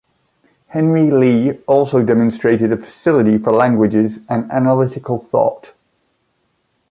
Henry Lea also demonstrated a facility for languages and analytical thought.